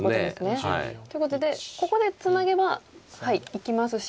そうですね。ということでここでツナげば生きますし。